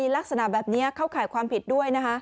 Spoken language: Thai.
ลักษณะแบบนี้เข้าข่ายความผิดด้วยนะคะ